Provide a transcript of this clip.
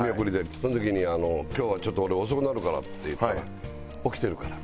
その時に「今日はちょっと俺遅くなるから」って言ったら「起きてるから」。